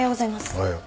おはよう。